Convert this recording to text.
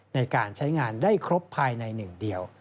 ในการใช้งานได้ครบภายในหนึ่งเดียว